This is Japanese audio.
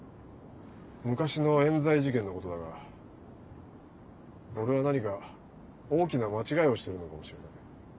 昔の冤罪事件のことだが俺は何か大きな間違いをしているのかもしれない。